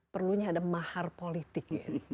perlunya ada mahar politik